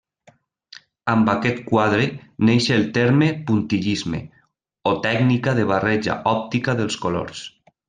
Amb aquest quadre neix el terme puntillisme, o tècnica de la barreja òptica dels colors.